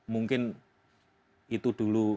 mungkin itu dulu